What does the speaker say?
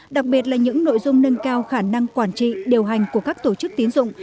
đặc biệt là những nội dung nâng cao khả năng quản trị điều hành của các tổ chức tiến dụng